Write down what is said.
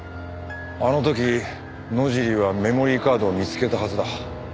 あの時野尻はメモリーカードを見つけたはずだ。